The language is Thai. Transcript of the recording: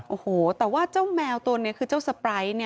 โอ้โหแต่ว่าเจ้าแมวตัวนี้คือเจ้าสไปร์